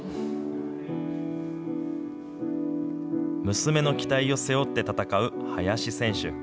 娘の期待を背負って戦う林選手。